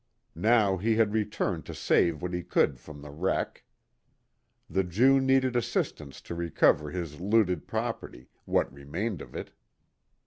Now he had returned to save what he could from the wreck. The Jew needed assistance to recover his looted property what remained of it.